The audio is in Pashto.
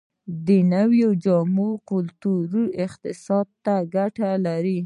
د نویو جامو کلتور اقتصاد ته ګټه لري؟